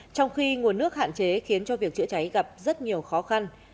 trong khi nguồn nước hạn chế khiến cho việc chữa cháy gặp rất nhiều khó khăn